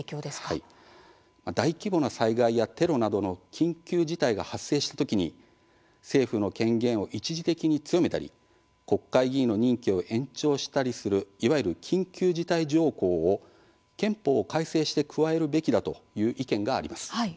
大規模な災害やテロなどの緊急事態が発生したときに政府の権限を一時的に強めたり国会議員の任期を延長したりするいわゆる緊急事態条項を憲法を改正して加えるべきだという意見があります。